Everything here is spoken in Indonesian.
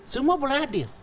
semua boleh hadir